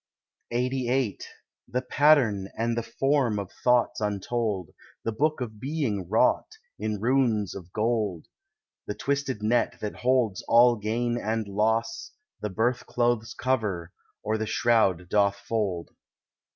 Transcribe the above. LXXXVIII The pattern and the form of thoughts untold; The book of being wrought in runes of gold; The twisted net that holds all gain and loss The birth clothes cover, or the shroud doth fold.